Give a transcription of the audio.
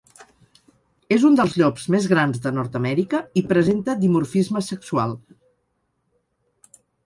És un dels llops més grans de Nord-amèrica, i presenta dimorfisme sexual.